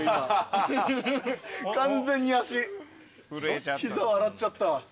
完全に足膝笑っちゃったわ。